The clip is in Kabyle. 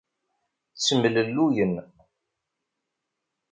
Ttemlelluyen.